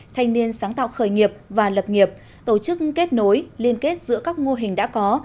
thanh niên sáng tạo khởi nghiệp và lập nghiệp tổ chức kết nối liên kết giữa các mô hình đã có